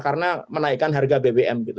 karena menaikkan harga bbm gitu